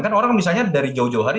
kan orang misalnya dari jauh jauh hari